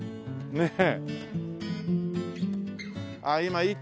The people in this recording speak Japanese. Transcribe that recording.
ねえ。